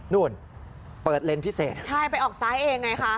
นู่นเปิดเลนส์พิเศษใช่ไปออกซ้ายเองไงคะ